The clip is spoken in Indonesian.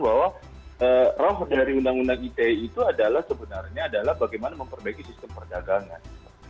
bahwa roh dari undang undang ite itu adalah sebenarnya adalah bagaimana memperbaiki sistem perdagangan